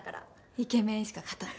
イケメンしか勝たん。